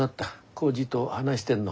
耕治と話してんの？